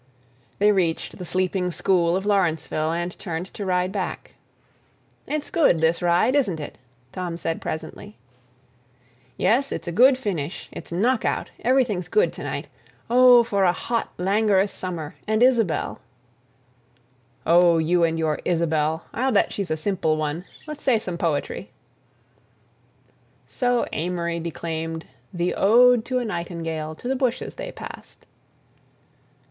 They reached the sleeping school of Lawrenceville, and turned to ride back. "It's good, this ride, isn't it?" Tom said presently. "Yes; it's a good finish, it's knock out; everything's good to night. Oh, for a hot, languorous summer and Isabelle!" "Oh, you and your Isabelle! I'll bet she's a simple one... let's say some poetry." So Amory declaimed "The Ode to a Nightingale" to the bushes they passed.